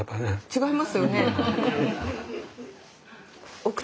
違いますよね。